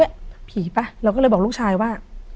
ผีป่ะเราก็เลยบอกลูกชายว่า